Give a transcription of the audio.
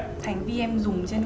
hành vi em dùng trên web